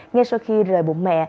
ngay sau khi rời bụng mẹ